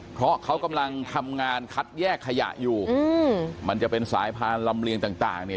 เพราะเขากำลังทำงานคัดแยกขยะอยู่อืมมันจะเป็นสายพานลำเลียงต่างเนี่ย